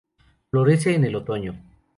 Florece en el otoño.